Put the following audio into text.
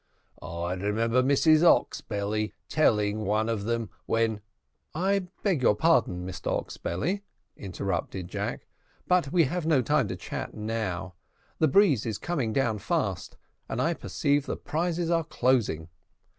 I remember Mrs Oxbelly telling one of them, when " "I beg your pardon, Mr Oxbelly," interrupted Jack, "but we have no time to chat now; the breeze is coming down fast, and I perceive the prizes are closing.